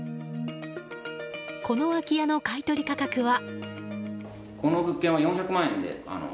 この空き家の買い取り価格は。